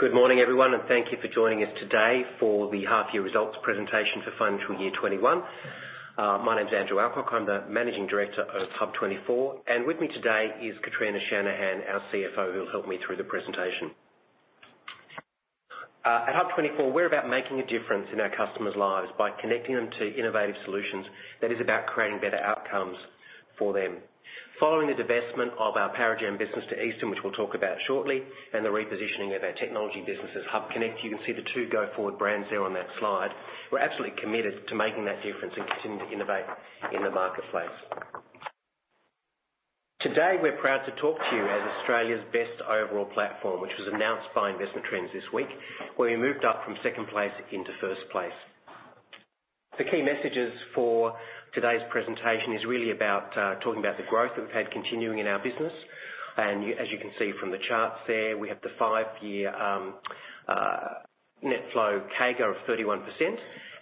Good morning, everyone, thank you for joining us today for the half year results presentation for financial year 2021. My name is Andrew Alcock. I'm the Managing Director of HUB24, with me today is Kitrina Shanahan, our CFO, who'll help me through the presentation. At HUB24, we're about making a difference in our customers' lives by connecting them to innovative solutions that is about creating better outcomes for them. Following the divestment of our Paragem business to Easton, which we'll talk about shortly, the repositioning of our technology business as HUBconnect, you can see the two go-forward brands there on that slide. We're absolutely committed to making that difference and continuing to innovate in the marketplace. Today, we're proud to talk to you as Australia's best overall platform, which was announced by Investment Trends this week, where we moved up from second place into first place. The key messages for today's presentation is really about talking about the growth that we've had continuing in our business. As you can see from the charts there, we have the five-year net flow CAGR of 31%,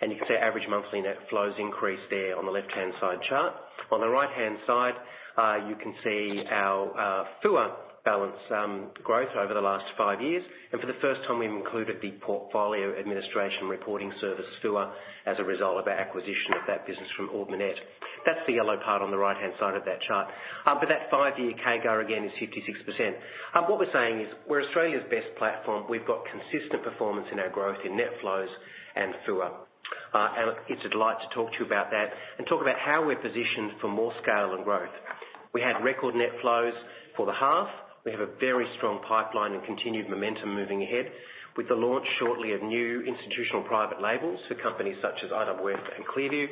and you can see our average monthly net flows increase there on the left-hand side chart. On the right-hand side, you can see our FUA balance growth over the last five years. For the first time, we've included the Portfolio Administration Reporting Service, FUA, as a result of our acquisition of that business from Ord Minnett. That's the yellow part on the right-hand side of that chart. That five-year CAGR, again, is 56%. What we're saying is we're Australia's best platform. We've got consistent performance in our growth in net flows and FUA. It's a delight to talk to you about that and talk about how we're positioned for more scale and growth. We had record net flows for the half. We have a very strong pipeline and continued momentum moving ahead with the launch shortly of new institutional private labels for companies such as IOOF and ClearView.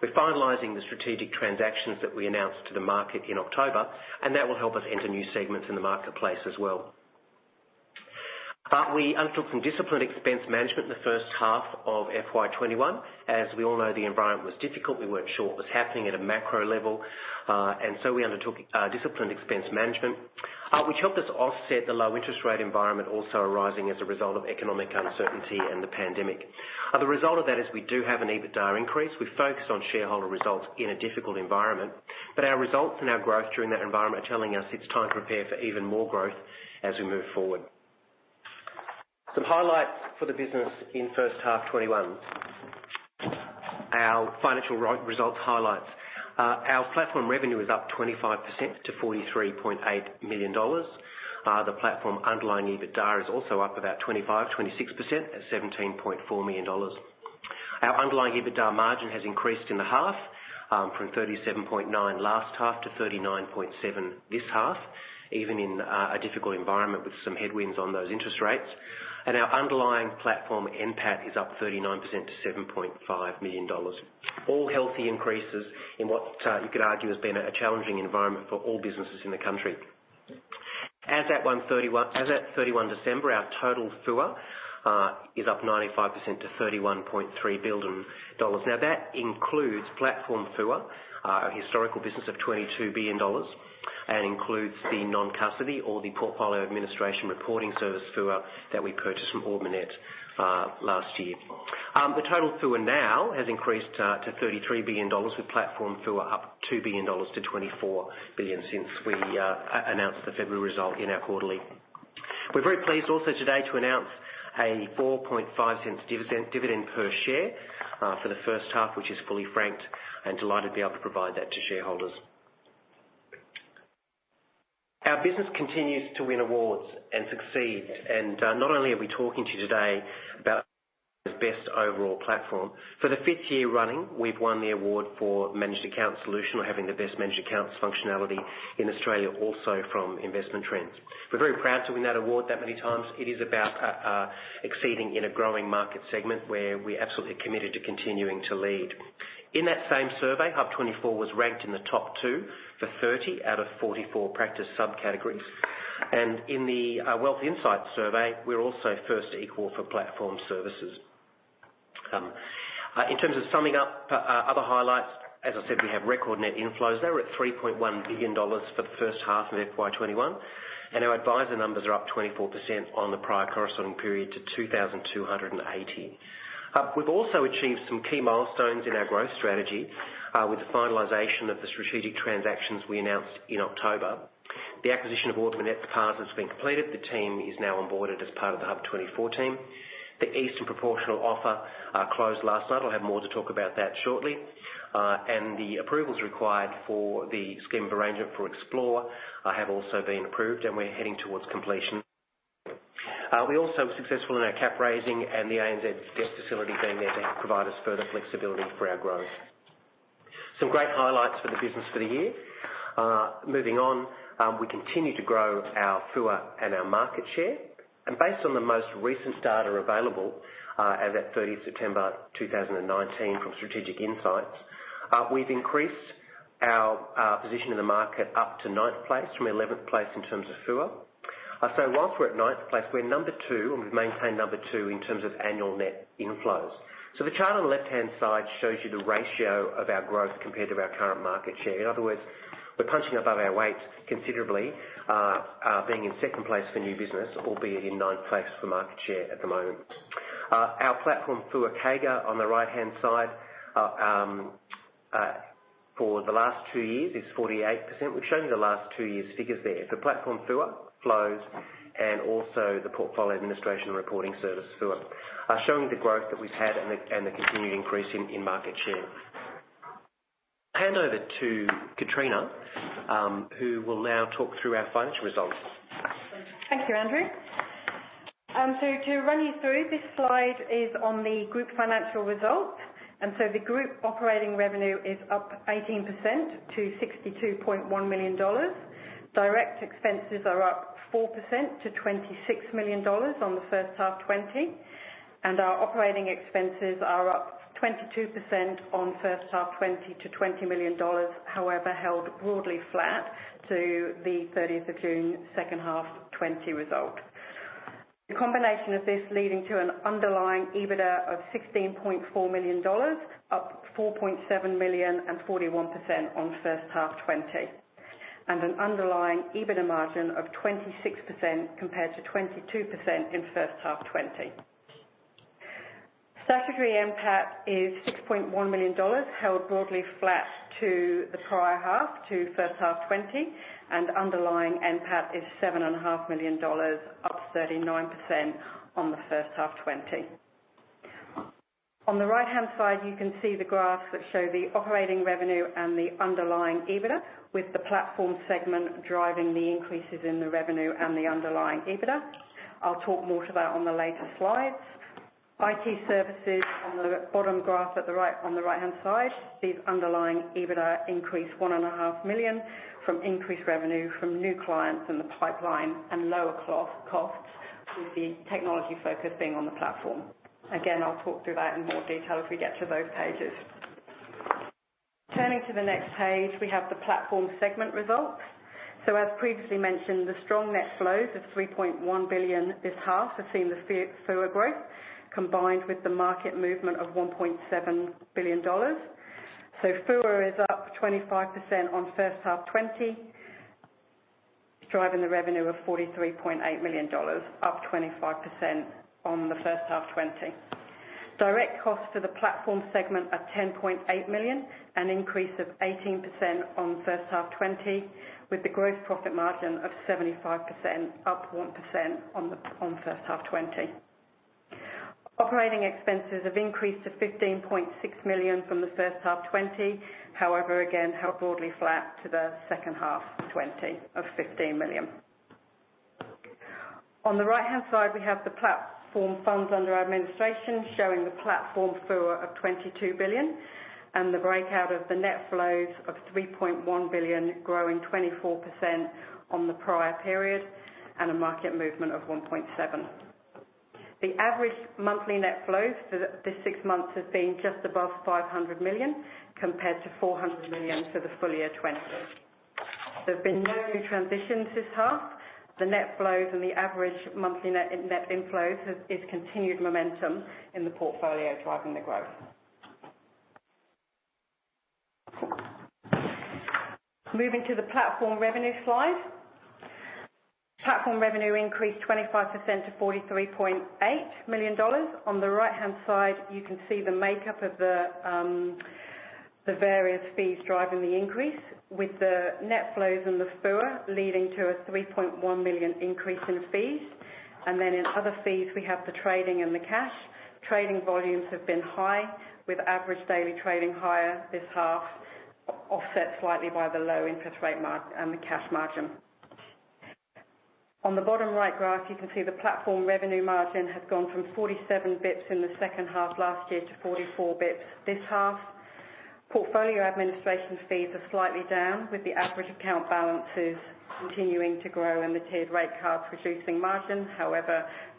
We're finalizing the strategic transactions that we announced to the market in October, and that will help us enter new segments in the marketplace as well. We undertook some disciplined expense management in the first half of FY 2021. As we all know, the environment was difficult. We weren't sure what was happening at a macro level. We undertook disciplined expense management, which helped us offset the low interest rate environment also arising as a result of economic uncertainty and the pandemic. The result of that is we do have an EBITDA increase. We focused on shareholder results in a difficult environment. Our results and our growth during that environment are telling us it's time to prepare for even more growth as we move forward. Some highlights for the business in first half 2021. Our financial results highlights. Our platform revenue is up 25% to 43.8 million dollars. The platform underlying EBITDA is also up about 25%, 26% at 17.4 million dollars. Our underlying EBITDA margin has increased in the half from 37.9% last half to 39.7% this half, even in a difficult environment with some headwinds on those interest rates. Our underlying platform NPAT is up 39% to 7.5 million dollars. All healthy increases in what you could argue has been a challenging environment for all businesses in the country. As at 31 December, our total FUA is up 95% to 31.3 billion dollars. That includes platform FUA, our historical business of 22 billion dollars, and includes the non-custody or the Portfolio Administration Reporting Service FUA that we purchased from Ord Minnett last year. The total FUA now has increased to AUD 33 billion, with platform FUA up AUD 2 billion-AUD 24 billion since we announced the February result in our quarterly. We're very pleased also today to announce a 0.045 dividend per share for the first half, which is fully franked and delighted to be able to provide that to shareholders. Our business continues to win awards and succeed. Not only are we talking to you today about the best overall platform, for the fifth year running, we've won the award for managed account solution or having the best managed accounts functionality in Australia, also from Investment Trends. We're very proud to win that award that many times. It is about exceeding in a growing market segment where we're absolutely committed to continuing to lead. In that same survey, HUB24 was ranked in the top two for 30 out of 44 practice subcategories. In the Wealth Insights survey, we're also first equal for platform services. In terms of summing up other highlights, as I said, we have record net inflows. They were at 3.1 billion dollars for the first half of FY 2021, our advisor numbers are up 24% on the prior corresponding period to 2,280. We've also achieved some key milestones in our growth strategy with the finalization of the strategic transactions we announced in October. The acquisition of Ord Minnett PARS has been completed. The team is now onboarded as part of the HUB24 team. The Easton proportional offer closed last night. I'll have more to talk about that shortly. The approvals required for the scheme of arrangement for Xplore have also been approved and we're heading towards completion. We're also successful in our cap raising and the ANZ debt facility being there to provide us further flexibility for our growth. Some great highlights for the business for the year. Moving on, we continue to grow our FUA and our market share. Based on the most recent data available as at 30th September 2019 from Strategic Insight, we've increased our position in the market up to ninth place from 11th place in terms of FUA. Whilst we're at ninth place, we're number two, and we've maintained number two in terms of annual net inflows. The chart on the left-hand side shows you the ratio of our growth compared to our current market share. In other words, we're punching above our weight considerably, being in second place for new business, albeit in ninth place for market share at the moment. Our platform FUA CAGR on the right-hand side for the last two years is 48%. We've shown the last two years' figures there. The platform FUA, flows, and also the Portfolio Administration Reporting Service FUA are showing the growth that we've had and the continued increase in market share. Hand over to Kitrina, who will now talk through our financial results. Thank you, Andrew. To run you through, this slide is on the group financial results. The group operating revenue is up 18% to 62.1 million dollars. Direct expenses are up 4% to 26 million dollars on the first half 2020, and our operating expenses are up 22% on first half 2020 to 20 million dollars, however, held broadly flat to the 30th of June second half 2020 result. The combination of this leading to an underlying EBITDA of 16.4 million dollars, up 4.7 million and 41% on first half 2020, and an underlying EBITDA margin of 26% compared to 22% in first half 2020. Statutory NPAT is 6.1 million dollars, held broadly flat to the prior half to first half 2020, and underlying NPAT is 7.5 million dollars, up 39% on the first half 2020. On the right-hand side, you can see the graphs that show the operating revenue and the underlying EBITDA with the platform segment driving the increases in the revenue and the underlying EBITDA. I will talk more to that on the later slides. IT services on the bottom graph on the right-hand side, the underlying EBITDA increased 1.5 million from increased revenue from new clients in the pipeline and lower costs with the technology focus being on the platform. Again, I will talk through that in more detail as we get to those pages. Turning to the next page, we have the platform segment results. As previously mentioned, the strong net flows of 3.1 billion this half have seen the FUA growth, combined with the market movement of 1.7 billion dollars. FUA is up 25% on first half 2020, driving the revenue of 43.8 million dollars, up 25% on the first half 2020. Direct costs for the platform segment are 10.8 million, an increase of 18% on first half 2020, with the gross profit margin of 75%, up 1% on first half 2020. Operating expenses have increased to 15.6 million from the first half 2020, however, again, held broadly flat to the second half 2020 of 15 million. On the right-hand side, we have the platform funds under administration showing the platform FUA of 22 billion and the breakout of the net flows of 3.1 billion growing 24% on the prior period, and a market movement of 1.7 billion. The average monthly net flows for the six months has been just above 500 million compared to 400 million for the full year 2020. There have been no new transitions this half. The net flows and the average monthly net inflows is continued momentum in the portfolio, driving the growth. Moving to the platform revenue slide. Platform revenue increased 25% to 43.8 million dollars. On the right-hand side, you can see the makeup of the various fees driving the increase with the net flows and the FUA leading to an 3.1 million increase in fees. In other fees, we have the trading and the cash. Trading volumes have been high, with average daily trading higher this half, offset slightly by the low interest rate and the cash margin. On the bottom right graph, you can see the platform revenue margin has gone from 47 basis points in the second half last year to 44 basis points this half. Portfolio administration fees are slightly down, with the average account balances continuing to grow and the tiered rate cards reducing margins.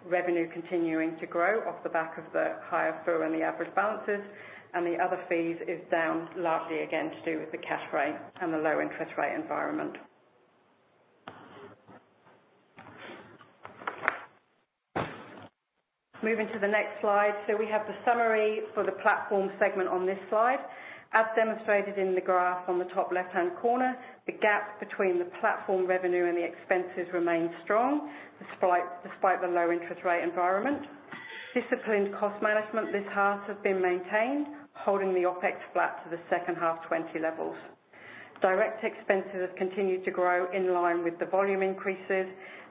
Revenue continuing to grow off the back of the higher FUA and the average balances, and the other fees is down largely again to do with the cash rate and the low interest rate environment. Moving to the next slide. We have the summary for the platform segment on this slide. As demonstrated in the graph on the top left-hand corner, the gap between the platform revenue and the expenses remains strong despite the low interest rate environment. Disciplined cost management this half has been maintained, holding the OpEx flat to the second half 2020 levels. Direct expenses have continued to grow in line with the volume increases.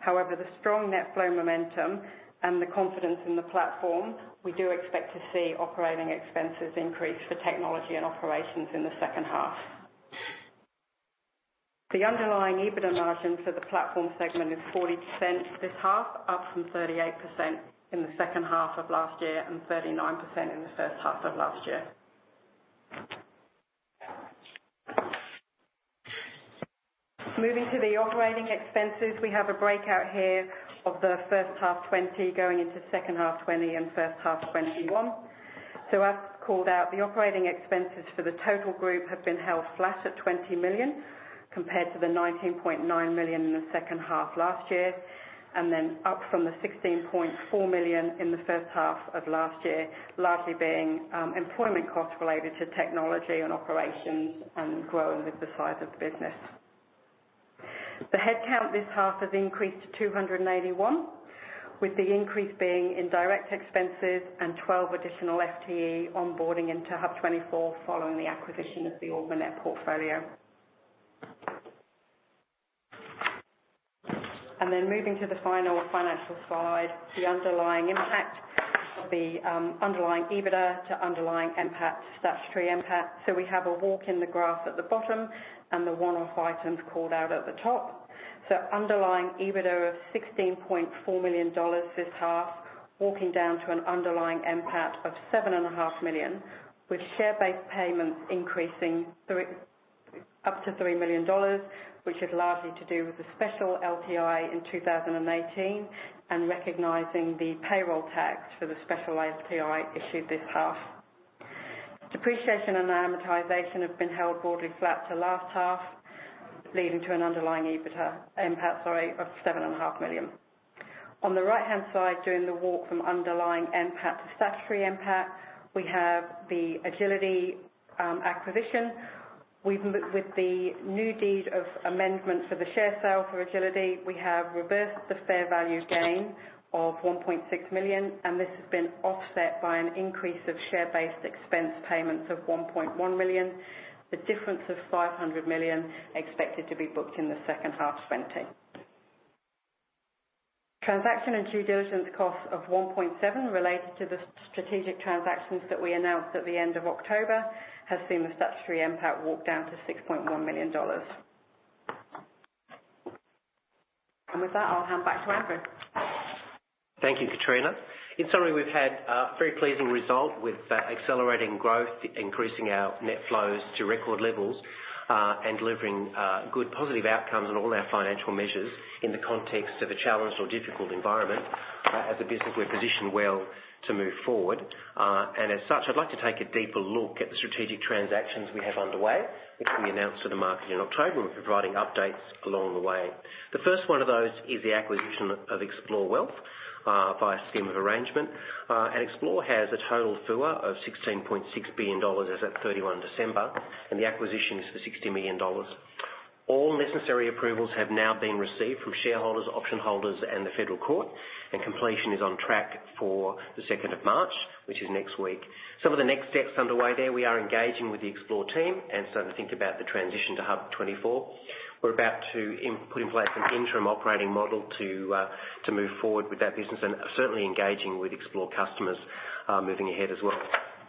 The strong net flow momentum and the confidence in the platform, we do expect to see operating expenses increase for technology and operations in the second half. The underlying EBITDA margin for the platform segment is 40% this half, up from 38% in the second half of last year and 39% in the first half of last year. Moving to the operating expenses. We have a breakout here of the first half 2020, going into second half 2020 and first half 2021. As called out, the operating expenses for the total group have been held flat at 20 million compared to the 19.9 million in the second half last year, and then up from the 16.4 million in the first half of last year, largely being employment costs related to technology and operations and growing with the size of the business. The headcount this half has increased to 281, with the increase being in direct expenses and 12 additional FTE onboarding into HUB24 following the acquisition of the Ord Minnett portfolio. Moving to the final financial slide, the underlying impact of the underlying EBITDA to underlying NPAT to statutory NPAT. We have a walk in the graph at the bottom and the one-off items called out at the top. Underlying EBITDA of 16.4 million dollars this half, walking down to an underlying NPAT of 7.5 million, with share-based payments increasing up to 3 million dollars, which is largely to do with the special LTI in 2018 and recognizing the payroll tax for the special LTI issued this half. Depreciation and amortization have been held broadly flat to last half, leading to an underlying NPAT of 7.5 million. On the right-hand side, doing the walk from underlying NPAT to statutory NPAT, we have the Agility acquisition. With the new deed of amendment for the share sale for Agility, we have reversed the fair value gain of 1.6 million, and this has been offset by an increase of share-based expense payments of 1.1 million. The difference of 500 million expected to be booked in the second half 2020. Transaction and due diligence costs of 1.7 million related to the strategic transactions that we announced at the end of October, has seen the statutory NPAT walk down to 6.1 million dollars. With that, I'll hand back to Andrew. Thank you, Kitrina. In summary, we've had a very pleasing result with accelerating growth, increasing our net flows to record levels, and delivering good positive outcomes on all our financial measures in the context of a challenged or difficult environment. As a business, we're positioned well to move forward. As such, I'd like to take a deeper look at the strategic transactions we have underway, which we announced to the market in October, and we're providing updates along the way. The first one of those is the acquisition of Xplore Wealth, by a scheme of arrangement. Xplore has a total FUA of 16.6 billion dollars as at 31 December, and the acquisition is for 60 million dollars. All necessary approvals have now been received from shareholders, option holders, and the Federal Court, completion is on track for the 2nd of March, which is next week. Some of the next steps underway there, we are engaging with the Xplore team and starting to think about the transition to HUB24. We're about to put in place an interim operating model to move forward with that business and are certainly engaging with Xplore customers moving ahead as well.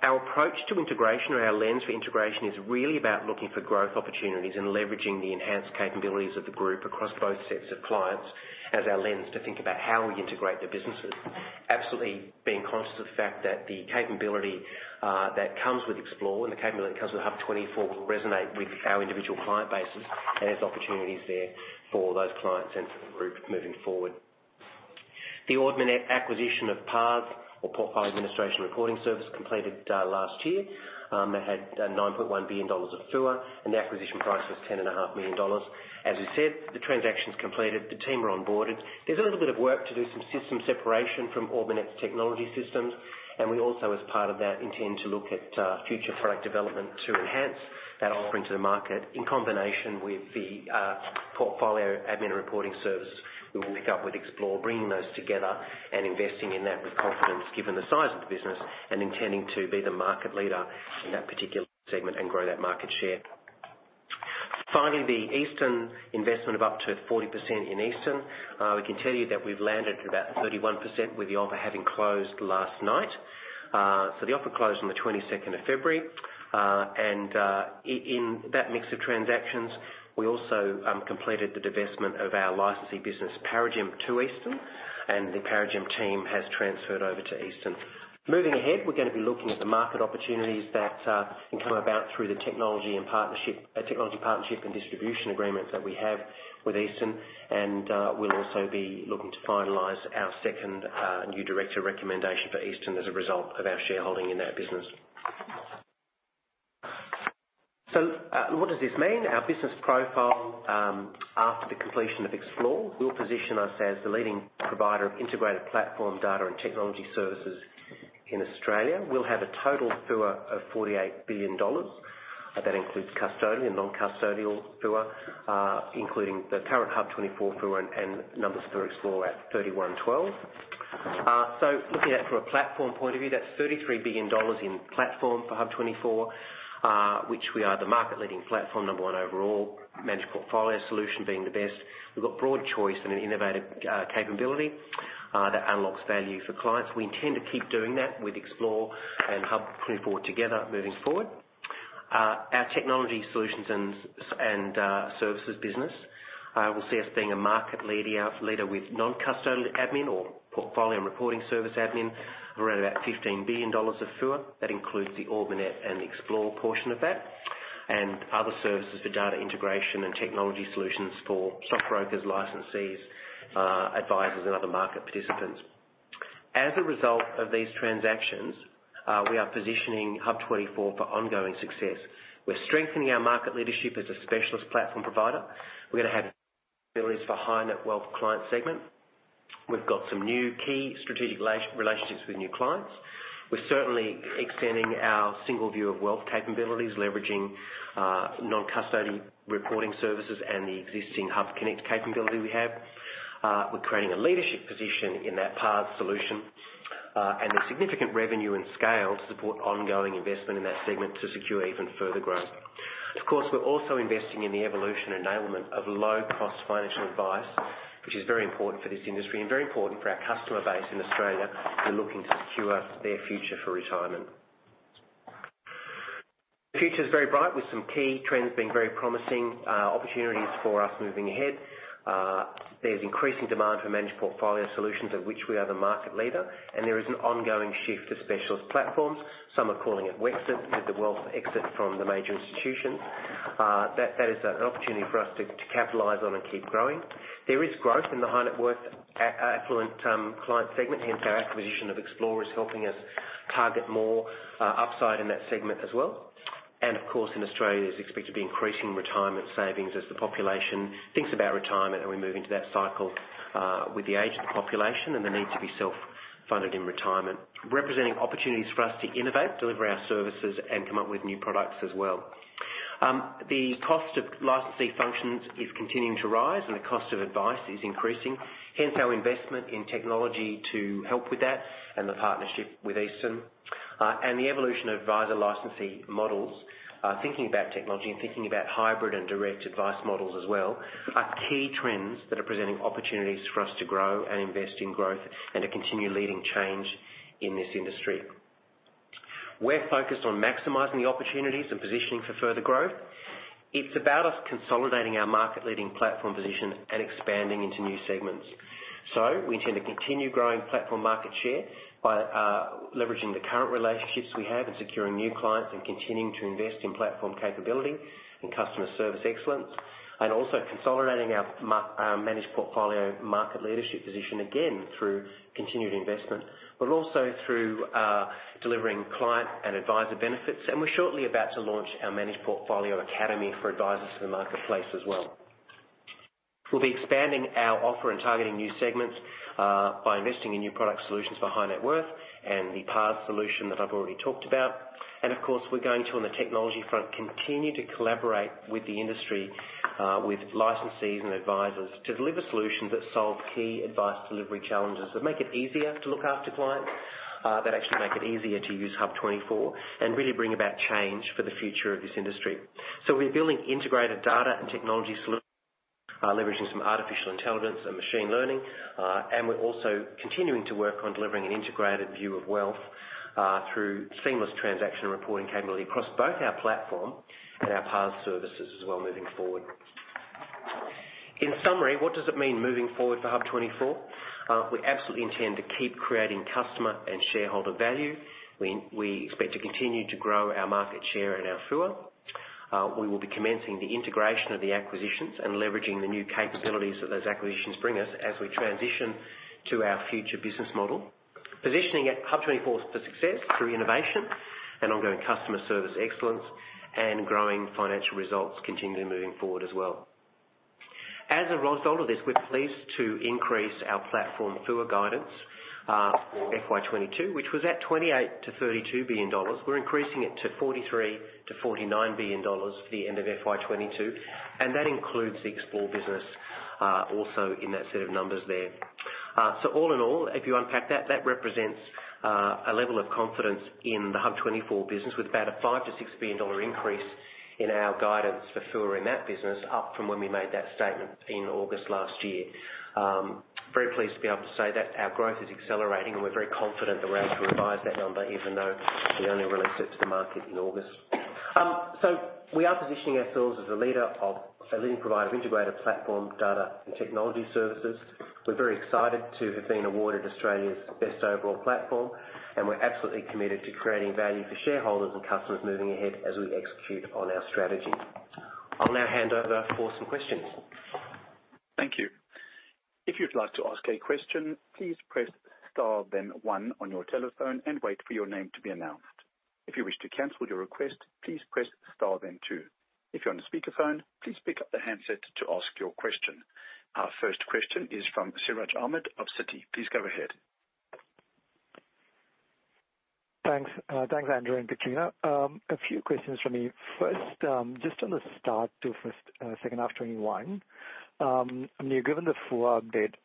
Our approach to integration or our lens for integration is really about looking for growth opportunities and leveraging the enhanced capabilities of the group across both sets of clients as our lens to think about how we integrate the businesses. Absolutely being conscious of the fact that the capability that comes with Xplore and the capability that comes with HUB24 will resonate with our individual client bases and there's opportunities there for those clients and for the group moving forward. The Ord Minnett acquisition of PARS, or Portfolio Administration Reporting Service, completed last year. It had 9.1 billion dollars of FUA and the acquisition price was 10.5 million dollars. As we said, the transaction's completed, the team are onboarded. There's a little bit of work to do some system separation from Ord Minnett's technology systems. We also, as part of that, intend to look at future product development to enhance that offering to the market in combination with the Portfolio Administration Reporting Services that we pick up with Xplore, bringing those together and investing in that with confidence, given the size of the business and intending to be the market leader in that particular segment and grow that market share. Finally, the Easton investment of up to 40% in Easton. We can tell you that we've landed at about 31% with the offer having closed last night. The offer closed on the 22nd of February. In that mix of transactions, we also completed the divestment of our licensee business, Paragem, to Easton, and the Paragem team has transferred over to Easton. Moving ahead, we're going to be looking at the market opportunities that can come about through the technology partnership and distribution agreements that we have with Easton. We'll also be looking to finalize our second new director recommendation for Easton as a result of our shareholding in that business. What does this mean? Our business profile, after the completion of Xplore, will position us as the leading provider of integrated platform data and technology services in Australia. We'll have a total FUA of 48 billion dollars. That includes custodial and non-custodial FUA, including the current HUB24 FUA and numbers for Xplore at 31/12. Looking at it from a platform point of view, that's 33 billion dollars in platform for HUB24, which we are the market leading platform, number one overall. Managed portfolio solution being the best. We've got broad choice and an innovative capability that unlocks value for clients. We intend to keep doing that with Xplore and HUB24 together moving forward. Our technology solutions and services business, will see us being a market leader with non-custodial admin or Portfolio Administration Reporting Service admin around AUD 15 billion of FUA. That includes the Ord Minnett and the Xplore portion of that, and other services for data integration and technology solutions for stockbrokers, licensees, advisors, and other market participants. As a result of these transactions, we are positioning HUB24 for ongoing success. We're strengthening our market leadership as a specialist platform provider. We're going to have abilities for high-net-wealth client segment. We've got some new key strategic relationships with new clients. We're certainly extending our single view of wealth capabilities, leveraging non-custodial reporting services and the existing HUB24 capability we have. We're creating a leadership position in that PARS solution. There's significant revenue and scale to support ongoing investment in that segment to secure even further growth. Of course, we're also investing in the evolution and enablement of low-cost financial advice, which is very important for this industry and very important for our customer base in Australia who are looking to secure their future for retirement. The future is very bright with some key trends being very promising opportunities for us moving ahead. There's increasing demand for managed portfolio solutions, of which we are the market leader. There is an ongoing shift to specialist platforms. Some are calling it Wexit, with the wealth exit from the major institutions. That is an opportunity for us to capitalize on and keep growing. There is growth in the high-net worth affluent client segment, hence our acquisition of Xplore is helping us target more upside in that segment as well. Of course, in Australia, there's expected to be increasing retirement savings as the population thinks about retirement and we move into that cycle with the aging population and the need to be self-funded in retirement, representing opportunities for us to innovate, deliver our services, and come up with new products as well. The cost of licensee functions is continuing to rise and the cost of advice is increasing, hence our investment in technology to help with that and the partnership with Easton. The evolution of advisor licensee models, thinking about technology and thinking about hybrid and direct advice models as well, are key trends that are presenting opportunities for us to grow and invest in growth and to continue leading change in this industry. We're focused on maximizing the opportunities and positioning for further growth. It's about us consolidating our market-leading platform position and expanding into new segments. We intend to continue growing platform market share by leveraging the current relationships we have and securing new clients and continuing to invest in platform capability and customer service excellence, and also consolidating our managed portfolio market leadership position, again, through continued investment, but also through delivering client and advisor benefits. We're shortly about to launch our Managed Portfolio Academy for advisors to the marketplace as well. Of course, we're going to, on the technology front, continue to collaborate with the industry, with licensees and advisors to deliver solutions that solve key advice delivery challenges, that make it easier to look after clients, that actually make it easier to use HUB24 and really bring about change for the future of this industry. We're building integrated data and technology solutions, leveraging some artificial intelligence and machine learning, and we're also continuing to work on delivering an integrated view of wealth through seamless transaction reporting capability across both our platform and our PARS services as well moving forward. In summary, what does it mean moving forward for HUB24? We absolutely intend to keep creating customer and shareholder value. We expect to continue to grow our market share and our FUA. We will be commencing the integration of the acquisitions and leveraging the new capabilities that those acquisitions bring us as we transition to our future business model, positioning HUB24 for success through innovation and ongoing customer service excellence and growing financial results continually moving forward as well. As a result of this, we're pleased to increase our platform FUA guidance for FY 2022, which was at AUD 28 billion-AUD 32 billion. We're increasing it to AUD 43 billion-AUD 49 billion for the end of FY 2022, and that includes the Xplore business also in that set of numbers there. All in all, if you unpack that represents a level of confidence in the HUB24 business with about an 5 billion-6 billion dollar increase in our guidance for FUA in that business, up from when we made that statement in August last year. Very pleased to be able to say that our growth is accelerating, and we're very confident that we're able to revise that number even though we only released it to the market in August. We are positioning ourselves as a leading provider of integrated platform data and technology services. We're very excited to have been awarded Australia's Best Overall Platform, and we're absolutely committed to creating value for shareholders and customers moving ahead as we execute on our strategy. I'll now hand over for some questions. Our first question is from Siraj Ahmed of Citi. Please go ahead. Thanks. Thanks, Andrew and Kitrina. A few questions from me. First, just on the start to second half 2021. Given the full update,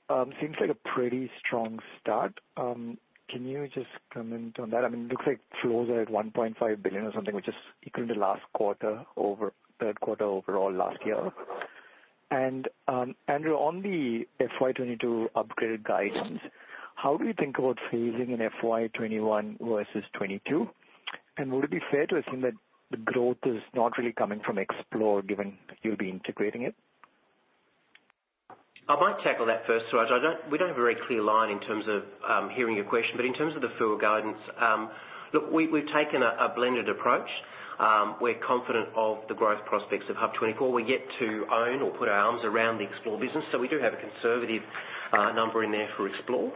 seems like a pretty strong start. Can you just comment on that? It looks like flows are at 1.5 billion or something, which is equal to the last quarter over third quarter overall last year. Andrew, on the FY 2022 upgraded guidance, how do you think about phasing in FY 2021 versus 2022? Would it be fair to assume that the growth is not really coming from Xplore given that you'll be integrating it? I might tackle that first, Siraj. We don't have a very clear line in terms of hearing your question. In terms of the full guidance, look, we've taken a blended approach. We're confident of the growth prospects of HUB24. We're yet to own or put our arms around the Xplore business. We do have a conservative number in there for Xplore.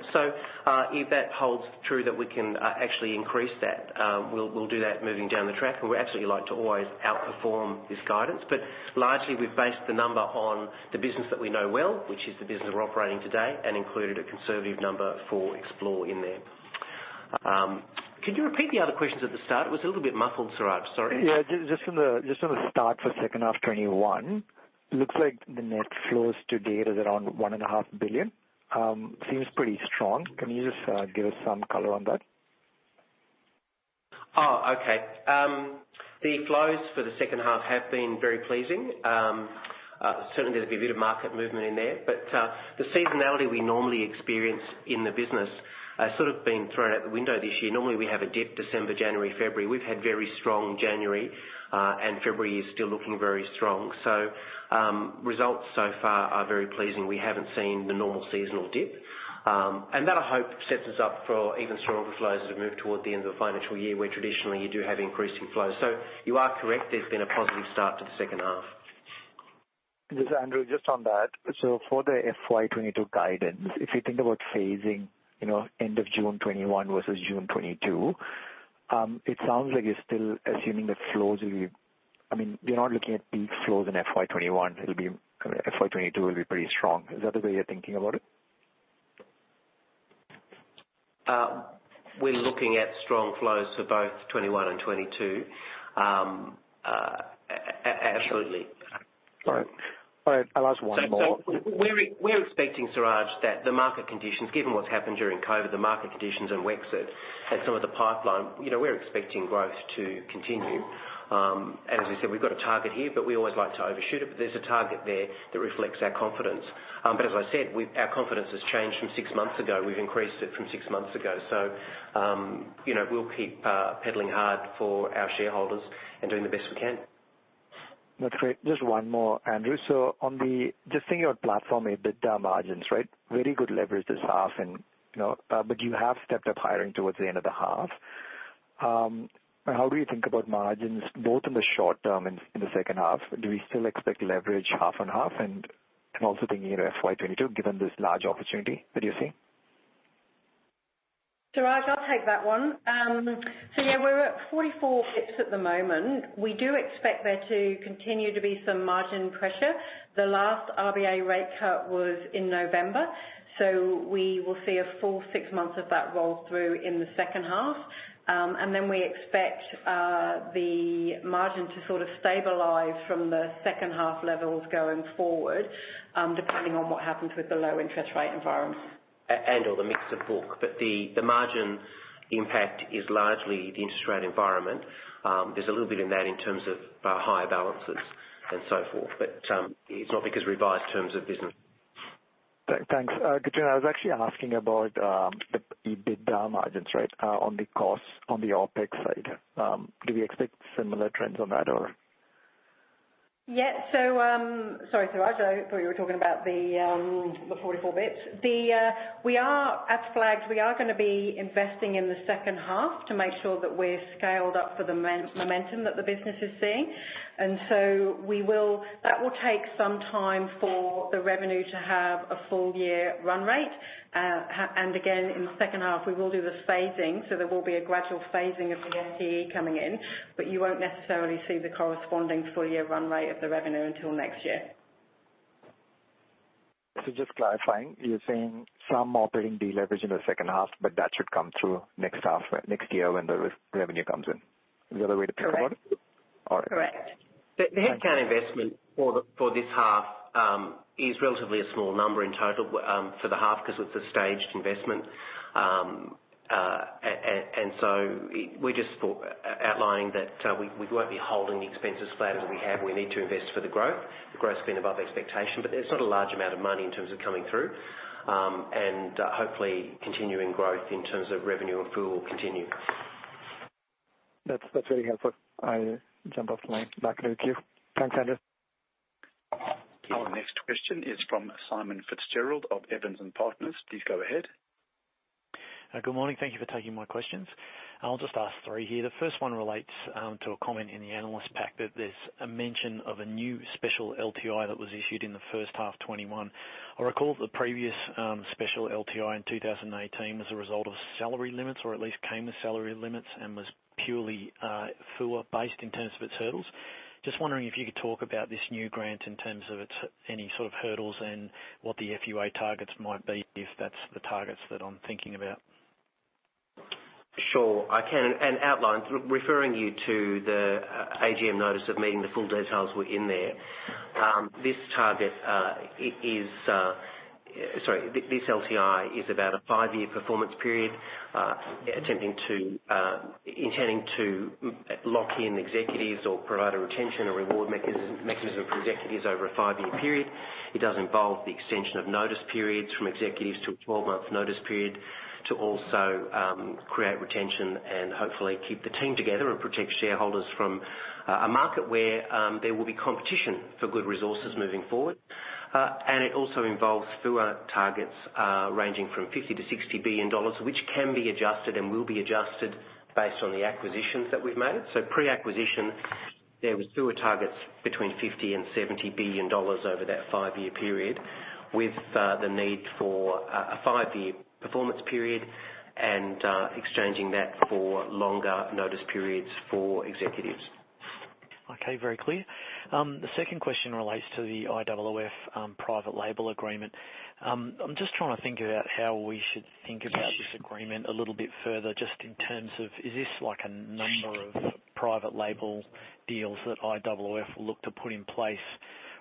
If that holds true that we can actually increase that, we'll do that moving down the track. We absolutely like to always outperform this guidance. Largely, we've based the number on the business that we know well, which is the business we're operating today, and included a conservative number for Xplore in there. Can you repeat the other questions at the start? It was a little bit muffled, Siraj. Sorry. Yeah, just on the start for second half 2021, looks like the net flows to date is around 1.5 billion. Seems pretty strong. Can you just give us some color on that? Okay. The flows for the second half have been very pleasing. Certainly, there's a bit of market movement in there, but the seasonality we normally experience in the business has sort of been thrown out the window this year. Normally, we have a dip December, January, February. We've had very strong January, and February is still looking very strong. Results so far are very pleasing. We haven't seen the normal seasonal dip. That, I hope, sets us up for even stronger flows as we move toward the end of the financial year, where traditionally you do have increasing flows. You are correct, there's been a positive start to the second half. Andrew just on that, for the FY 2022 guidance, if you think about phasing, end of June 2021 versus June 2022, it sounds like you're still assuming that flows will be I mean, you're not looking at peak flows in FY 2021. FY 2022 will be pretty strong. Is that the way you're thinking about it? We're looking at strong flows for both 2021 and 2022. Absolutely. All right. I'll ask one more. We're expecting, Siraj, that the market conditions, given what's happened during COVID, the market conditions and Wexit and some of the pipeline, we're expecting growth to continue. As we said, we've got a target here, but we always like to overshoot it. There's a target there that reflects our confidence. As I said, our confidence has changed from six months ago. We've increased it from six months ago. We'll keep pedaling hard for our shareholders and doing the best we can. That's great. Just one more, Andrew. Just thinking about platform EBITDA margins, right? Very good leverage this half and, but you have stepped up hiring towards the end of the half. How do you think about margins both in the short term and in the second half? Do we still expect leverage 50/50? Also thinking of FY 2022, given this large opportunity that you're seeing. Siraj, I'll take that one. Yeah, we're at 44 bips at the moment. We do expect there to continue to be some margin pressure. The last RBA rate cut was in November, we will see a full six months of that roll through in the second half. Then we expect the margin to sort of stabilize from the second half levels going forward, depending on what happens with the low interest rate environment. And/or the mix of book. The margin impact is largely the interest rate environment. There's a little bit in that in terms of higher balances and so forth. It's not because revised terms of business. Thanks. Kitrina, I was actually asking about the EBITDA margins, right, on the costs on the OpEx side. Do we expect similar trends on that or? Yeah. Sorry, Siraj, I thought you were talking about the 44 bips. As flagged, we are going to be investing in the second half to make sure that we're scaled up for the momentum that the business is seeing. That will take some time for the revenue to have a full year run rate. In the second half, we will do the phasing, so there will be a gradual phasing of the FTE coming in, but you won't necessarily see the corresponding full year run rate of the revenue until next year. Just clarifying, you're saying some operating deleverage in the second half, but that should come through next year when the revenue comes in. Is that the way to think about it? Correct. All right. Correct. The headcount investment for this half is relatively a small number in total for the half because it's a staged investment. We're just outlying that we won't be holding the expenses flat as we have. We need to invest for the growth. The growth's been above expectation, but there's not a large amount of money in terms of coming through. Hopefully, continuing growth in terms of revenue and FUA will continue. That's really helpful. I jump off, and back with you. Thanks, Andrew. Our next question is from Simon Fitzgerald of Evans and Partners. Please go ahead. Good morning. Thank you for taking my questions. I'll just ask three here. The first one relates to a comment in the analyst pack that there is a mention of a new special LTI that was issued in the first half 2021. I recall the previous special LTI in 2019 as a result of salary limits, or at least came with salary limits and was purely FUA based in terms of its hurdles. Just wondering if you could talk about this new grant in terms of any sort of hurdles and what the FUA targets might be, if that is the targets that I am thinking about. Sure, I can. Outline, referring you to the AGM notice of meeting, the full details were in there. This LTI is about a five-year performance period, intending to lock in executives or provide a retention or reward mechanism for executives over a five-year period. It does involve the extension of notice periods from executives to a 12-month notice period to also create retention and hopefully keep the team together and protect shareholders from a market where there will be competition for good resources moving forward. It also involves FUA targets ranging from 50 billion-60 billion dollars, which can be adjusted and will be adjusted based on the acquisitions that we've made. Pre-acquisition, there was FUA targets between 50 billion and 70 billion dollars over that five-year period, with the need for a five-year performance period and exchanging that for longer notice periods for executives. Okay, very clear. The second question relates to the IOOF private label agreement. I'm just trying to think about how we should think about this agreement a little bit further, just in terms of is this a number of private label deals that IOOF look to put in place,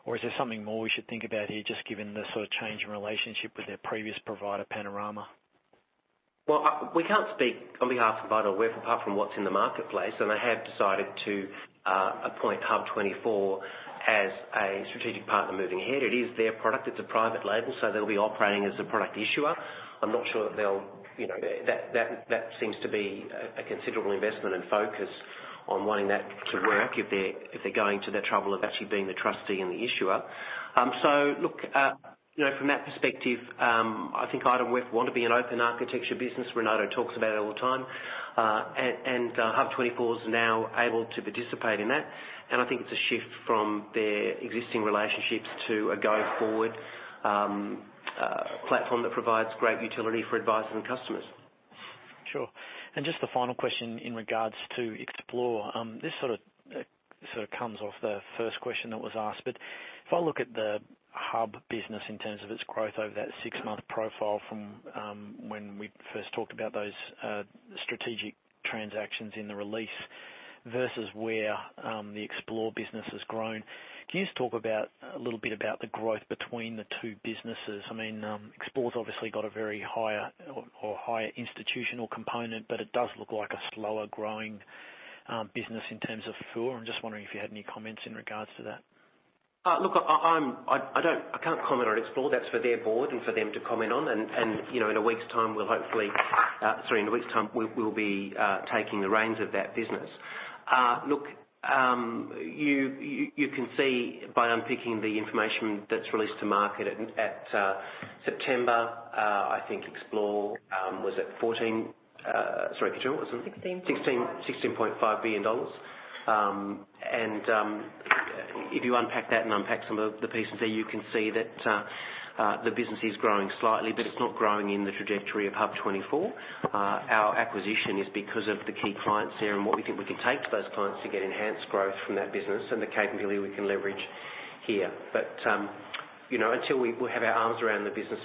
or is there something more we should think about here, just given the sort of change in relationship with their previous provider, Panorama? Well, we can't speak on behalf of IOOF apart from what's in the marketplace. They have decided to appoint HUB24 as a strategic partner moving ahead. It is their product. It's a private label. They'll be operating as the product issuer. I'm not sure that seems to be a considerable investment and focus on wanting that to work if they're going to the trouble of actually being the trustee and the issuer. Look, from that perspective, I think IOOF want to be an open architecture business. Renato talks about it all the time. HUB24 is now able to participate in that. I think it's a shift from their existing relationships to a go forward platform that provides great utility for advisors and customers. Sure. Just the final question in regards to Xplore. This sort of comes off the first question that was asked. If I look at the HUB business in terms of its growth over that six-month profile from when we first talked about those strategic transactions in the release versus where the Xplore business has grown, can you just talk a little bit about the growth between the two businesses? Xplore's obviously got a very higher or higher institutional component, but it does look like a slower growing business in terms of FUA. I'm just wondering if you had any comments in regards to that. I can't comment on Xplore. That's for their board and for them to comment on. Sorry, in a week's time, we'll be taking the reins of that business. You can see by unpicking the information that's released to market at September, I think Xplore was at. Sorry, Kitrina, AUD 16.5 billion. If you unpack that and unpack some of the pieces there, you can see that the business is growing slightly, but it's not growing in the trajectory of HUB24. Our acquisition is because of the key clients there and what we think we can take to those clients to get enhanced growth from that business and the capability we can leverage here. Until we have our arms around the business,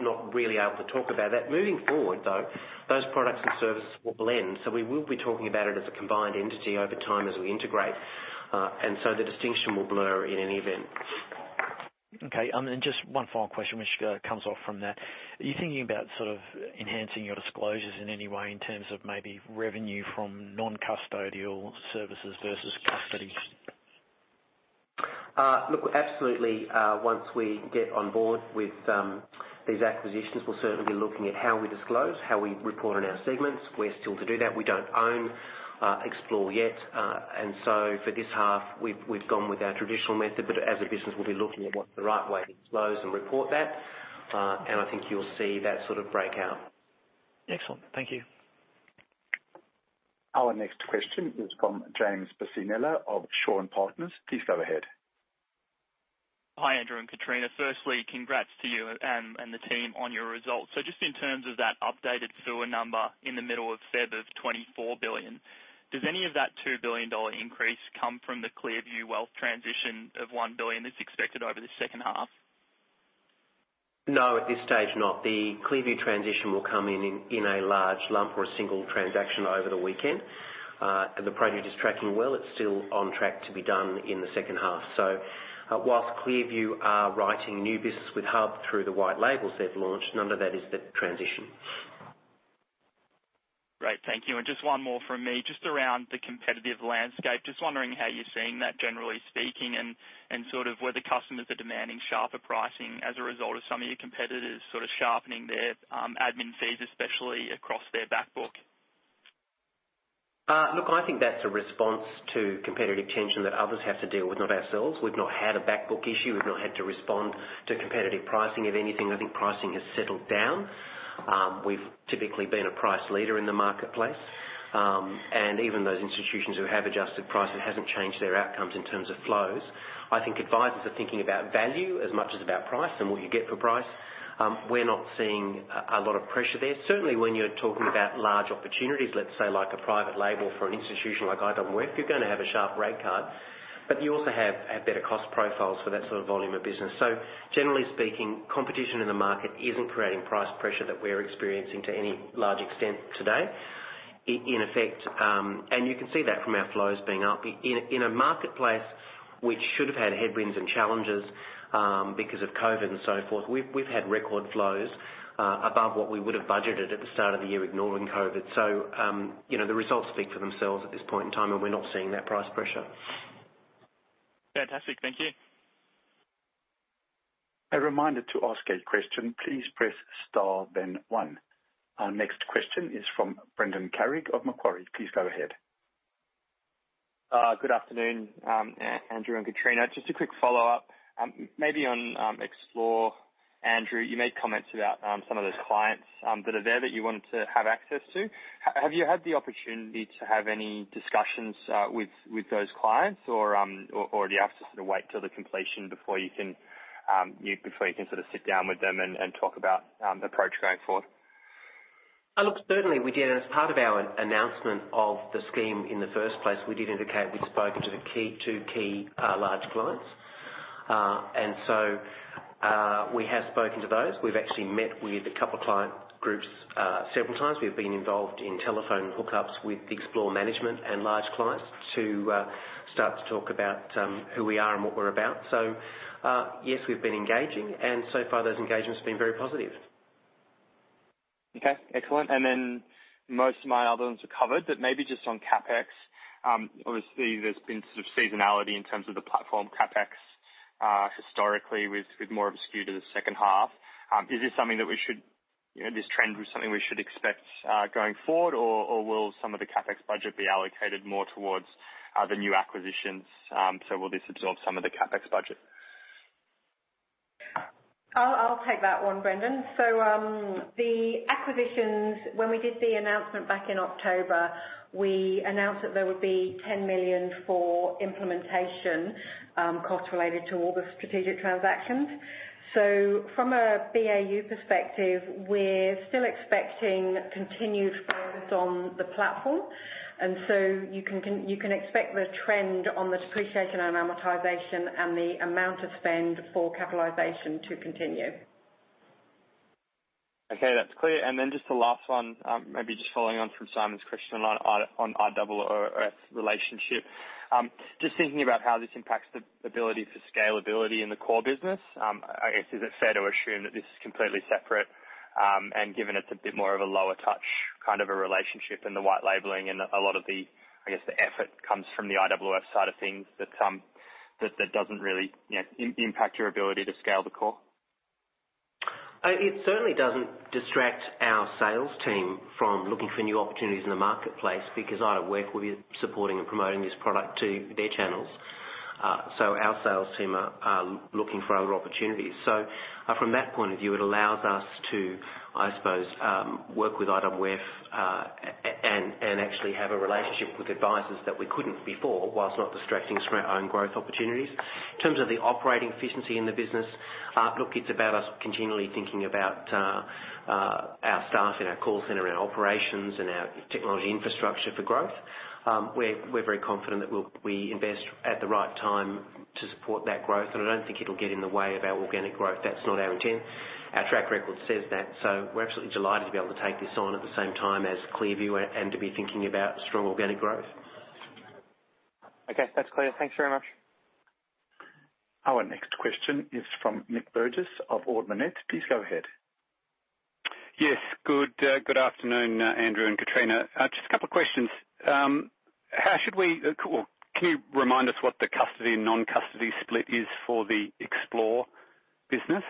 not really able to talk about that. Moving forward, though, those products and services will blend, so we will be talking about it as a combined entity over time as we integrate. The distinction will blur in any event. Okay. Just one final question, which comes off from that. Are you thinking about sort of enhancing your disclosures in any way in terms of maybe revenue from non-custodial services versus custody? Look, absolutely. Once we get on board with these acquisitions, we'll certainly be looking at how we disclose, how we report in our segments. We're still to do that. We don't own Xplore yet. For this half, we've gone with our traditional method. As a business, we'll be looking at what the right way to disclose and report that. I think you'll see that sort of breakout. Excellent. Thank you. Our next question is from James Bisinella of Shaw and Partners. Please go ahead. Hi, Andrew and Kitrina. Firstly, congrats to you and the team on your results. Just in terms of that updated FUA number in the middle of February of 24 billion, does any of that 2 billion dollar increase come from the ClearView Wealth transition of 1 billion that's expected over the second half? No, at this stage not. The ClearView transition will come in in a large lump or a single transaction over the weekend. The project is tracking well. It's still on track to be done in the second half. Whilst ClearView are writing new business with HUB through the white labels they've launched, none of that is the transition. Great. Thank you. Just one more from me, just around the competitive landscape. Just wondering how you're seeing that, generally speaking, and sort of whether customers are demanding sharper pricing as a result of some of your competitors sort of sharpening their admin fees, especially across their back book? Look, I think that's a response to competitive tension that others have to deal with, not ourselves. We've not had a back book issue. We've not had to respond to competitive pricing. If anything, I think pricing has settled down. We've typically been a price leader in the marketplace, and even those institutions who have adjusted pricing, it hasn't changed their outcomes in terms of flows. I think advisors are thinking about value as much as about price and what you get for price. We're not seeing a lot of pressure there. Certainly, when you're talking about large opportunities, let's say like a private label for an institution like IOOF, you're going to have a sharp rate card. You also have better cost profiles for that sort of volume of business. Generally speaking, competition in the market isn't creating price pressure that we're experiencing to any large extent today. In effect, you can see that from our flows being up. In a marketplace which should have had headwinds and challenges because of COVID and so forth, we've had record flows above what we would have budgeted at the start of the year, ignoring COVID. The results speak for themselves at this point in time, and we're not seeing that price pressure. Fantastic. Thank you. A reminder to ask a question, please press star then one. Our next question is from Brendan Carrig of Macquarie. Please go ahead. Good afternoon, Andrew and Kitrina. Just a quick follow-up, maybe on Xplore. Andrew, you made comments about some of those clients that are there that you wanted to have access to. Have you had the opportunity to have any discussions with those clients, or do you have to sort of wait till the completion before you can sort of sit down with them and talk about the approach going forward? Look, certainly we did as part of our announcement of the scheme in the first place, we did indicate we'd spoken to the two key large clients. We have spoken to those. We've actually met with a couple of client groups several times. We've been involved in telephone hookups with Xplore management and large clients to start to talk about who we are and what we're about. Yes, we've been engaging, and so far those engagements have been very positive. Okay, excellent. Most of my other ones are covered, but maybe just on CapEx. Obviously, there's been some seasonality in terms of the platform CapEx historically with more of a skew to the second half. Is this trend something we should expect going forward, or will some of the CapEx budget be allocated more towards the new acquisitions? Will this absorb some of the CapEx budget? I'll take that one, Brendan. The acquisitions, when we did the announcement back in October, we announced that there would be 10 million for implementation costs related to all the strategic transactions. From a BAU perspective, we're still expecting continued spend on the platform. You can expect the trend on the depreciation and amortization and the amount of spend for capitalization to continue. Okay, that's clear. Just the last one, maybe just following on from Simon's question on IOOF's relationship. Just thinking about how this impacts the ability for scalability in the core business. I guess, is it fair to assume that this is completely separate, and given it's a bit more of a lower touch kind of a relationship in the white labeling and a lot of the, I guess, the effort comes from the IOOF side of things that doesn't really impact your ability to scale the core? It certainly doesn't distract our sales team from looking for new opportunities in the marketplace because IOOF will be supporting and promoting this product to their channels. Our sales team are looking for other opportunities. From that point of view, it allows us to, I suppose, work with IOOF and actually have a relationship with advisors that we couldn't before whilst not distracting us from our own growth opportunities. In terms of the operating efficiency in the business, look, it's about us continually thinking about our staff in our call center and operations and our technology infrastructure for growth. We're very confident that we invest at the right time to support that growth, and I don't think it'll get in the way of our organic growth. That's not our intent. Our track record says that. We're absolutely delighted to be able to take this on at the same time as ClearView and to be thinking about strong organic growth. Okay, that's clear. Thanks very much. Our next question is from Nic Burgess of Ord Minnett. Please go ahead. Yes. Good afternoon, Andrew and Kitrina. Just a couple of questions. Can you remind us what the custody and non-custody split is for the Xplore business?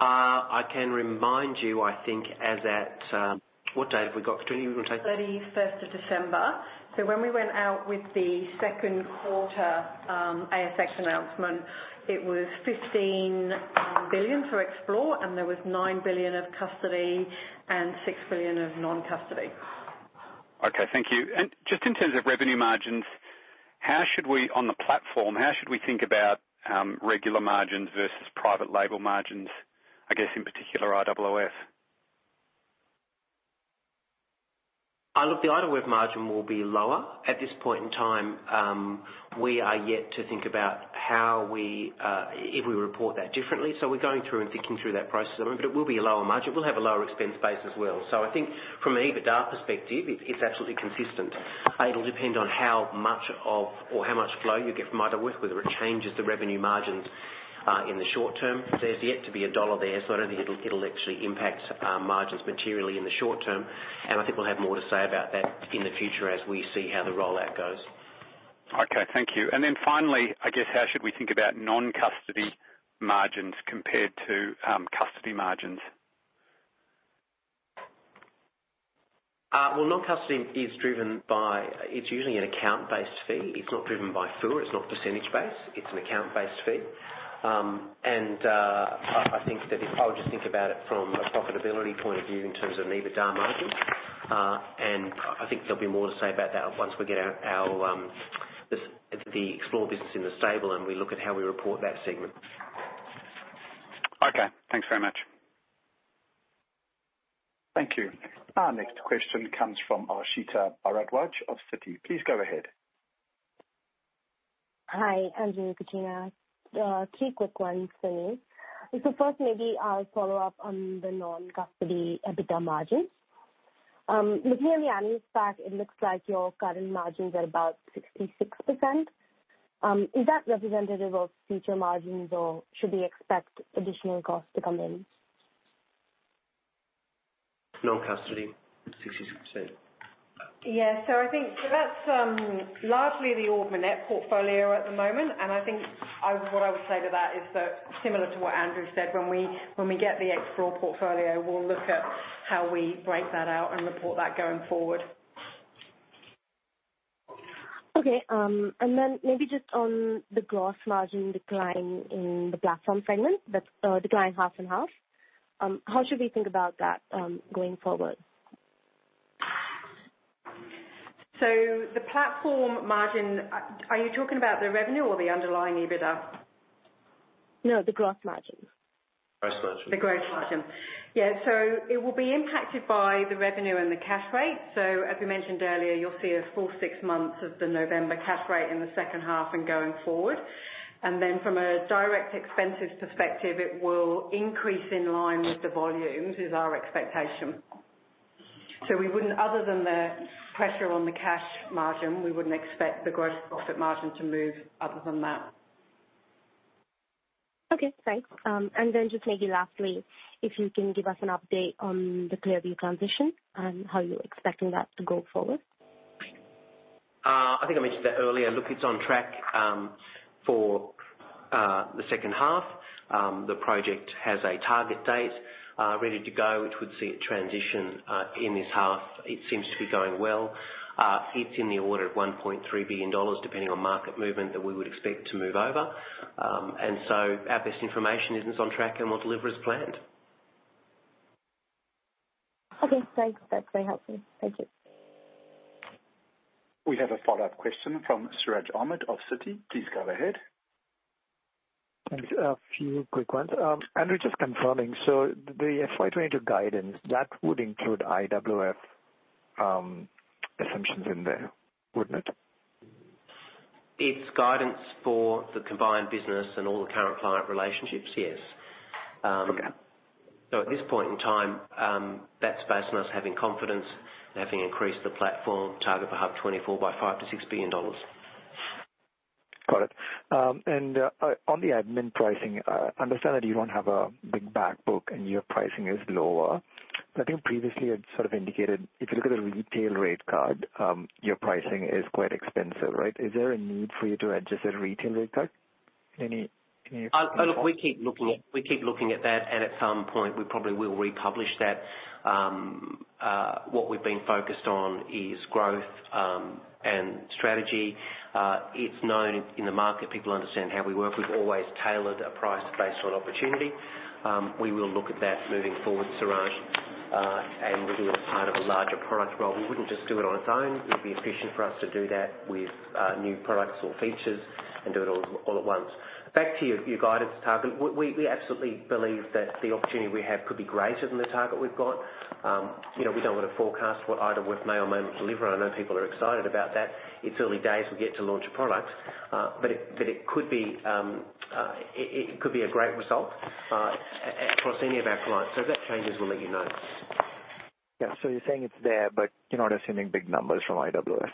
I can remind you, I think as at what date have we got, Kitrina? Are you going to take? 31st of December. When we went out with the second quarter ASX announcement, it was 15 billion for Xplore, and there was 9 billion of custody and 6 billion of non-custody. Okay, thank you. Just in terms of revenue margins, on the platform, how should we think about regular margins versus private label margins, I guess, in particular IOOF? Look, the IOOF margin will be lower. At this point in time, we are yet to think about if we report that differently. We're going through and thinking through that process at the moment. It will be a lower margin. We'll have a lower expense base as well. I think from an EBITDA perspective, it's absolutely consistent. It'll depend on how much flow you get from IOOF, whether it changes the revenue margins in the short term. There's yet to be a dollar there. I don't think it'll actually impact margins materially in the short term. I think we'll have more to say about that in the future as we see how the rollout goes. Okay, thank you. Finally, I guess, how should we think about non-custody margins compared to custody margins? Well, non-custody, it's usually an account-based fee. It's not driven by FUA, it's not percentage-based. It's an account-based fee. I think that I would just think about it from a profitability point of view in terms of an EBITDA margin. I think there'll be more to say about that once we get the Xplore business in the stable and we look at how we report that segment. Okay, thanks very much. Thank you. Our next question comes from Aashita Bharadwaj of Citi. Please go ahead. Hi, Andrew and Kitrina. Three quick ones for me. First, maybe I'll follow up on the non-custody EBITDA margins. Looking at the annual fact, it looks like your current margins are about 66%. Is that representative of future margins, or should we expect additional costs to come in? Non-custody, 66%. Yeah. I think that's largely the Ord Minnett portfolio at the moment. I think what I would say to that is that similar to what Andrew said, when we get the Xplore portfolio, we'll look at how we break that out and report that going forward. Okay. Maybe just on the gross margin decline in the platform segment, that decline 50/50. How should we think about that going forward? The platform margin, are you talking about the revenue or the underlying EBITDA? No, the gross margin. Gross margin. The gross margin. Yeah. It will be impacted by the revenue and the cash rate. As we mentioned earlier, you'll see a full six months of the November cash rate in the second half and going forward. From a direct expenses perspective, it will increase in line with the volumes, is our expectation. Other than the pressure on the cash margin, we wouldn't expect the gross profit margin to move other than that. Okay, thanks. Then just maybe lastly, if you can give us an update on the ClearView transition and how you're expecting that to go forward? I think I mentioned that earlier. Look, it's on track for the second half. The project has a target date ready to go, which would see it transition in this half. It seems to be going well. It's in the order of 1.3 billion dollars, depending on market movement, that we would expect to move over. Our best information is it's on track and will deliver as planned. Okay, thanks. That's very helpful. Thank you. We have a follow-up question from Siraj Ahmed of Citi. Please go ahead. Thanks. A few quick ones. Andrew, just confirming, the FY 2020 guidance, that would include IOOF assumptions in there, wouldn't it? It's guidance for the combined business and all the current client relationships, yes. Okay. At this point in time, that's based on us having confidence and having increased the platform target for HUB24 by 5 billion-6 billion dollars. Got it. On the admin pricing, I understand that you don't have a big back book and your pricing is lower. I think previously you had sort of indicated if you look at the retail rate card, your pricing is quite expensive, right? Is there a need for you to adjust that retail rate card in any? Look, we keep looking at that, and at some point, we probably will republish that. What we've been focused on is growth and strategy. It's known in the market, people understand how we work. We've always tailored a price based on opportunity. We will look at that moving forward, Siraj, and we'll do it as part of a larger product rather. We wouldn't just do it on its own. It would be efficient for us to do that with new products or features and do it all at once. Back to your guidance target, we absolutely believe that the opportunity we have could be greater than the target we've got. We don't want to forecast what item we may or may not deliver. I know people are excited about that. It's early days. We get to launch a product. It could be a great result across any of our clients. If that changes, we'll let you know. Yeah. You're saying it's there, but you're not assuming big numbers from IOOF,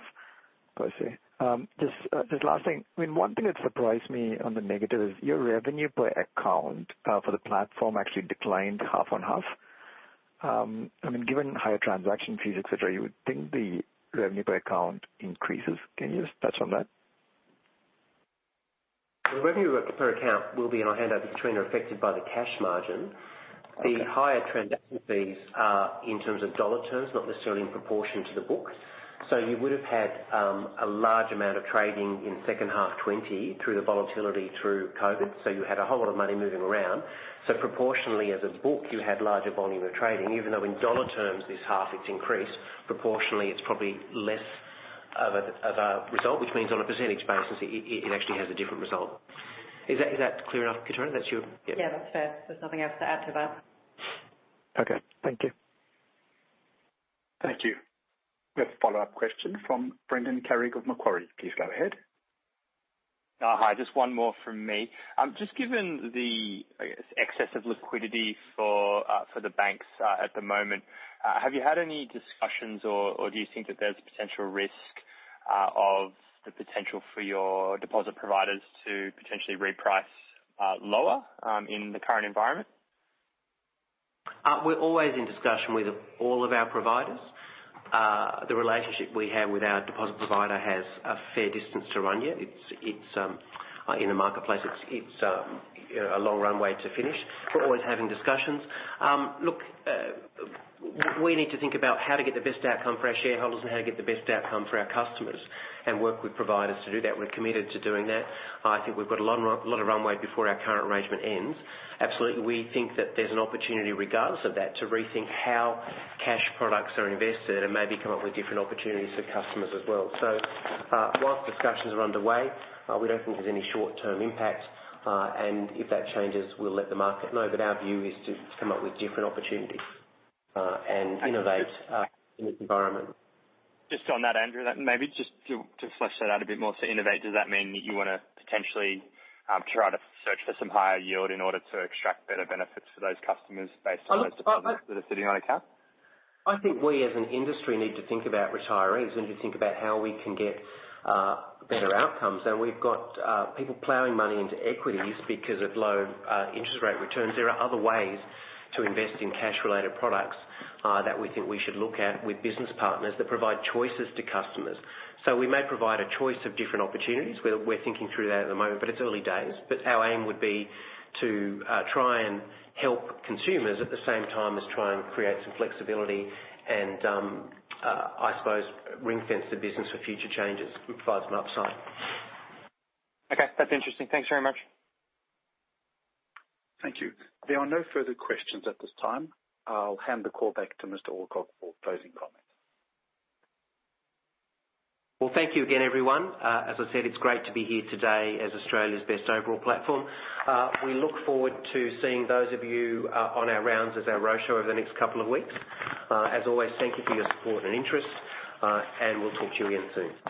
I see. Just this last thing. One thing that surprised me on the negative is your revenue per account for the platform actually declined half on half. Given higher transaction fees, et cetera, you would think the revenue per account increases. Can you just touch on that? The revenue per account will be, and I'll hand over to Kitrina, affected by the cash margin. The higher transaction fees are in terms of dollar terms, not necessarily in proportion to the books. You would have had a large amount of trading in second half 2020 through the volatility through COVID. You had a whole lot of money moving around. Proportionally, as a book, you had larger volume of trading, even though in dollar terms this half it's increased, proportionally it's probably less of a result, which means on a percentage basis, it actually has a different result. Is that clear enough, Kitrina? Yeah, that's fair. There's nothing else to add to that. Okay, thank you. Thank you. We have a follow-up question from Brendan Carrig of Macquarie. Please go ahead. Hi. Just one more from me. Just given the excess of liquidity for the banks at the moment, have you had any discussions or do you think that there's potential risk of the potential for your deposit providers to potentially reprice lower in the current environment? We're always in discussion with all of our providers. The relationship we have with our deposit provider has a fair distance to run yet. In the marketplace, it's a long runway to finish. We're always having discussions. Look, we need to think about how to get the best outcome for our shareholders and how to get the best outcome for our customers and work with providers to do that. We're committed to doing that. I think we've got a lot of runway before our current arrangement ends. Absolutely, we think that there's an opportunity regardless of that to rethink how cash products are invested and maybe come up with different opportunities for customers as well. Whilst discussions are underway, we don't think there's any short-term impact. If that changes, we'll let the market know. Our view is to come up with different opportunities and innovate in this environment. Just on that, Andrew, maybe just to flesh that out a bit more. Innovate, does that mean that you want to potentially try to search for some higher yield in order to extract better benefits for those customers based on those deposits that are sitting on account? I think we as an industry need to think about retirees. We need to think about how we can get better outcomes. We've got people plowing money into equities because of low interest rate returns. There are other ways to invest in cash-related products that we think we should look at with business partners that provide choices to customers. We may provide a choice of different opportunities. We're thinking through that at the moment, it's early days. Our aim would be to try and help consumers at the same time as try and create some flexibility and, I suppose, ring-fence the business for future changes. It provides an upside. Okay, that's interesting. Thanks very much. Thank you. There are no further questions at this time. I will hand the call back to Mr. Alcock for closing comments. Thank you again, everyone. As I said, it's great to be here today as Australia's best overall platform. We look forward to seeing those of you on our rounds as our roadshow over the next couple of weeks. As always, thank you for your support and interest. We'll talk to you again soon.